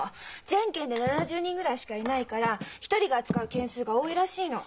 全県で７０人ぐらいしかいないから一人が扱う件数が多いらしいの。